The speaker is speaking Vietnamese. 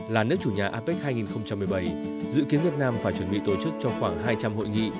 là nước chủ nhà apec hai nghìn một mươi bảy dự kiến việt nam phải chuẩn bị tổ chức cho khoảng hai trăm linh hội nghị